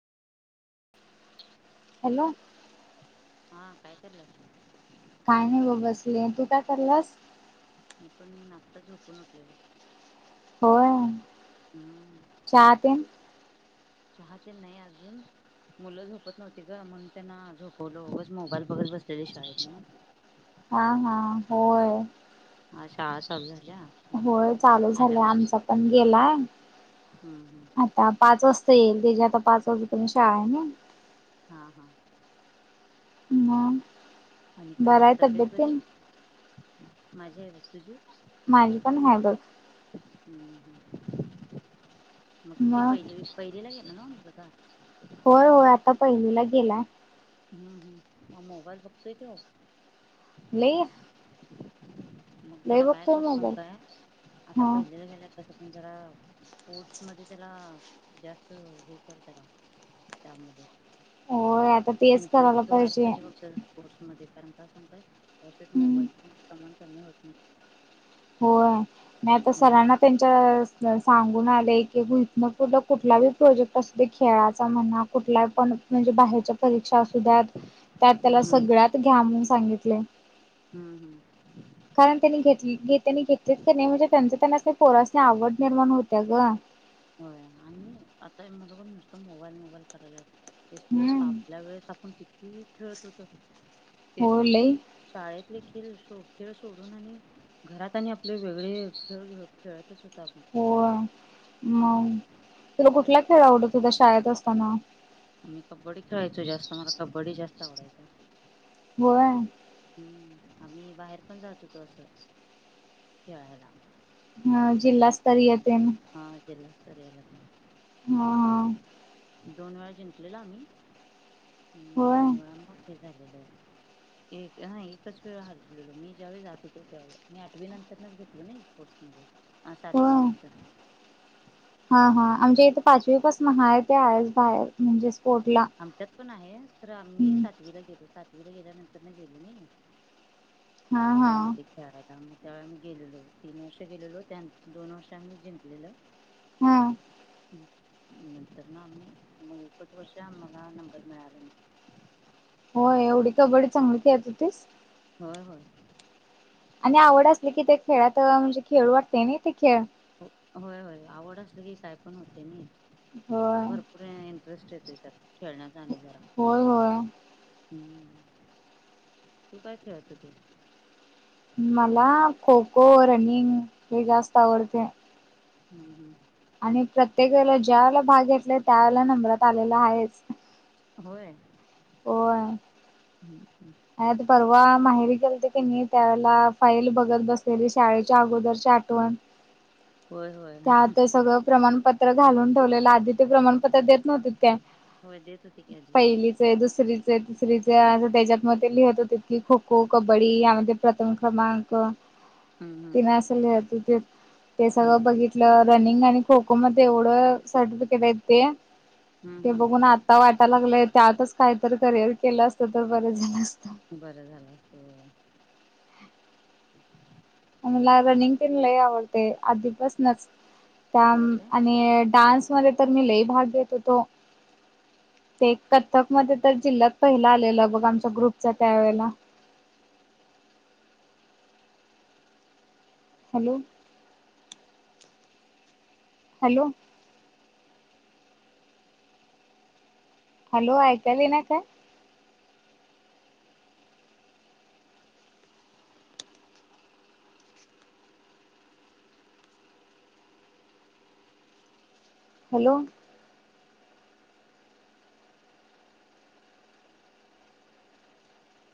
Hello. हा काय करायल्यास? काय नाही बघ बसले, तू काय करलास? मी पण आता झोपून उठले गं. होय. हम्म. चहा तेण. चहा तेण नाही अजून. मुलं झोपत नव्हती गं, म्हणून त्यांना झोपवलं. उगाच मोबाईल बघत बसलेले, शाळेत ना. हा, हा, हो. हा, शाळा चालू झाल्या. मग होय, चालू झालंय. आल्यावर आमचा पण गेलाय. हम्म हम्म त्या पाच वाजता येईल. त्याची आता पाच वाजेपर्यंत शाळा आहे ना? हा, हा. हम्म. आणि काय मग? तब्येत बरी आहे माझी, आहे तुझी? माझी पण आहे बरं. हम्म हम्म मग किती पाहिलवीत पहिला गेला ना, मुलं का? होय, होय. आता पहिलीला गेलाय. हम्म, हम्म. मोबाईल वागतोय तो. नाही. मग त्याला काय करत सांगू काय आता? हा पहिलीला गेलाय, कसं? पण जरा स्पोर्ट्समध्ये त्याला जास्त हे कर त्याला. त्यामध्ये होय आता तेच करायला इंटरेस्ट व्हायला पाहिजे फक्त. स्पोर्ट्समध्ये कारण काय सांगू काय, हम्म मोबाईल प्रमाण कमी होत नाही. हो, नाही आता हम्म सरांना. त्यांनी सांगून आलं की, इतन पुढे कुठलाही प्रोजेक्ट असू दे, खेळाचा म्हणा. कुठला पण म्हणजे बाहेरच्या परीक्षा असतात ना त्यात हम्म त्याला हम्म सगळ्यात घ्या म्हणून सांगितलं. हम्म, हम्म. कारण त्यांनी घेतलं, घेतलं की नाही? म्हणजे त्यांना पोराचं आवड निर्माण व्हावी ना. हो, आणि आता मु नुसतं मोबाईल मोबाईल करायला हे स्पोर्टस हम्म आपल्या वेळेस. पण किती खेळत होत. होर लई. शाळेतले खिळ खेळ सोडून आणि घरात आणि आपले वेगळे खेळ खेळतच होतोच आपण. हो, मग हम्म. तुला कुठला खेळ आवडत होता शाळेत असताना? मी कबड्डी खेळायचो, जास्त मला कबड्डी जास्त आवडयचा. होय. हम्म, आम्ही बाहेर पण जात होतो असं खेळायला. ह जिल्हास्तरीय जिलस्तरला तेन हा, जिल्हास्तरला. हा, हा. दोन वेळा जिंकलेलो आम्ही आणि होय दोन वेळा मग हे झालेल. एक हा, एकच वेळ हरलेलो मी. ज्यावेळी जात होतो, त्यावे मी आठवी नंतरच घेतलो नाही स्पोर्ट्समध्ये. हा सातवी होय. नंतर. हा, हा. आमच्या इथे पाचवीपासनं हाय ते आहे बाहेर, म्हणजे स्पोर्टला. आमच्यात पण आहे खरं. आम्ही हम्म सातवीला गेलो, सातवीला गेल्यानंतर ना गेलो नाही. हा हा त्यामध्ये. शाळेत आम्ही त्यावेळी आम्ही गेलेलो. तीन वर्ष गेलेलो, त्या दोन वर्ष आम्ही जिंकलेलो हा ह नंतरन आम्ही मग एकच वर्ष आम्हाला नंबर मिळाला नाही. हो, एवढी कबड्डी चांगली खेळत होतीस? होय होय. आणि आवड असली की ते खेळात म्हणजे खेळू वाटतंय नाही ते खेळ. हो होय होय आवड असल की काय पण होते नै. होय. पुढे इंटरेस्ट येतोय त्यात खेळण्याचा आणि जरा. होय होय हम्म. तू काय खेळत होतीस? मला खो खो, रनिंग हे जास्त आवडतय. हम्म हम्म. आणि प्रत्येक वेळेला ज्यावेळा भाग घेतला त्याला नंबरात आलेला आहेच. होय? होय. हं हं. परवा माहेरी केलते किनी, त्यावेळेला फाईल बघत बसलेली शाळेच्या अगोदरची आठवण. होय होय त्यात ते सगळं प्रमाणपत्र घालून ठेवलेलं आधी ते प्रमाणपत्र देत नव्हतीत काय होय देत होती की आधी. पहिली ते दुसरीच, तिसरीचे त्याच्यात म ते लिहित होतीत की खो खो, कबड्डी यामध्ये प्रथम क्रमांक. हम्म हम्म तिन असं लिहित होतीत ते हम्म सगळं हम्म बघितल्यावर रनिंग आणि खो खो मध्ये एवढं सर्टिफिकेट आहेत ते. हम्म ते हम्म. बघून आ आता वाटालागलंय त्यातच कायतरी करिअर केलं असतं तर बरं झालं असत. बरं झालं असतं होय. मला रनिंग तेन लई आवडतंय आधीपसनच त्या होय काय? आणि डान्स मध्ये तर मी लई भाग घेत होतो. ते कथ्थक मध्ये तर जिल्ह्यात पहिला आलेलं बघ आमच्या ग्रुपचा त्यावेळेला. हॅलो हॅलो हॅलो ऐकायला येईना ना काय हॅलो?